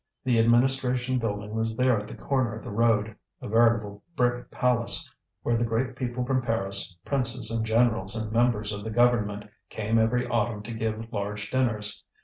The administration building was there at the corner of the road, a veritable brick palace, where the great people from Paris, princes and generals and members of the Government, came every autumn to give large dinners.